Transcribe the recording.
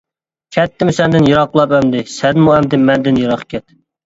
كەتتىم سەندىن يىراقلاپ ئەمدى، سەنمۇ ئەمدى مەندىن يىراق كەت.